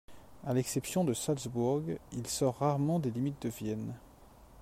À l'exception de Salzbourg, il sort rarement des limites de Vienne.